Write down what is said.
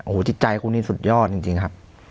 สนิทใจคุณเนี้ยสุดยอดจริงครับ